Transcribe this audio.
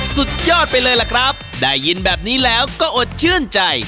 สุดยอดไปเลยล่ะครับได้ยินแบบนี้แล้วก็อดชื่นใจ